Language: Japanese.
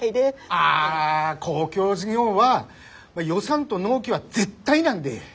ああ公共事業は予算と納期は絶対なんで。